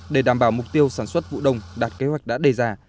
để đảm bảo mục tiêu sản xuất vụ đông đạt kế hoạch đã đề ra